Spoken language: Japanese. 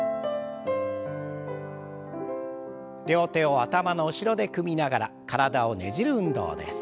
両手を頭の後ろで組みながら体をねじる運動です。